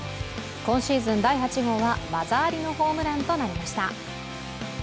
今シーズン第８号は技ありのホームランとなりました。